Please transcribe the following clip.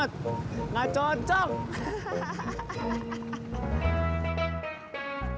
jangan bo midap